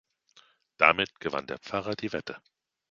Damit gewann der Pfarrer die Wette.